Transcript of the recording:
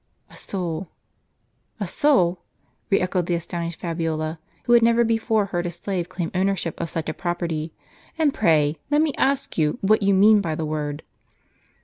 "" A soul." "A soul!" re echoed the astonished Fabiola, who had never before heard a slave claim ownership of sucli a property. " And pray, let me ask you, what you mean by the word